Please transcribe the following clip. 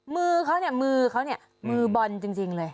มือเขามือเขามือบอลจริงเลย